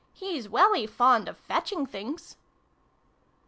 " He's welly fond of fetching things."